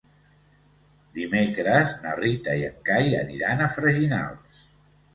Dimecres na Rita i en Cai aniran a Freginals.